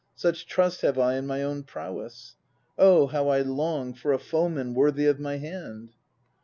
tSuch trust have I in my own prowess. Oh, how I long For a foeman worthy of my hand!